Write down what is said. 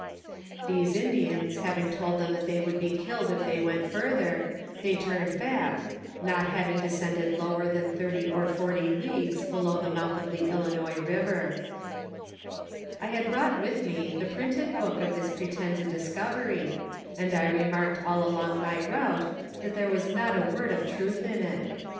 These Indians having told them that they would be killed if they went further ; they turned back, not having descended lower than thirty or forty leagues below the mouth of the Ilinois' river. <'^* I had brought with me the printed book of this pretended DISCOVERIES IN THE MISSISSIPPI VALLEY. 223 discovery, and I remarked nil nlonp my route thnt tlioro wns not a word of tnith in it.